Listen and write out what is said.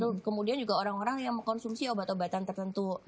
kemudian juga orang orang yang mengkonsumsi obat obatan tertentu